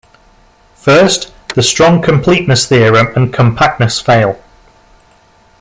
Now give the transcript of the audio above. First, the strong completeness theorem and compactness fail.